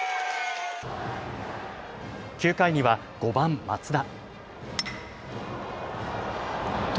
９回には５番・松田。